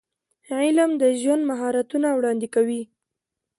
علم د ژوند مهارتونه وړاندې کوي.